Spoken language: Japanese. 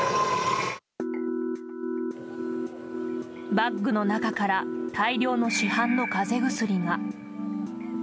バッグの中から大量の市販の風邪薬が。